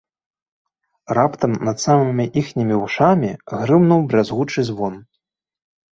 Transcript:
Раптам над самымі іхнімі вушамі грымнуў бразгучы звон.